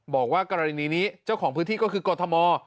บอกว่ากรณีนี้เจ้าของพื้นที่ก็คือกรทม